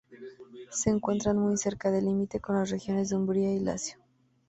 Se encuentra muy cerca del límite con las regiones de Umbría y Lacio.